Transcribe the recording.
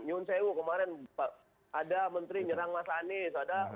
nyun sewu kemarin ada menteri nyerang mas anies